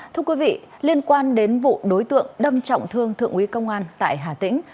thưa quý vị liên quan đến vụ đối tượng đâm trọng thương thượng úy công an tại hà tĩnh